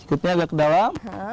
sikutnya agak ke dalam